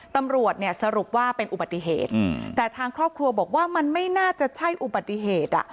ตำรวจเนี่ยสรุปว่าเป็นอุบัติเหตุแต่ทางครอบครัวบอกว่ามันไม่น่าจะใช่อุบัติเหตุอ่ะ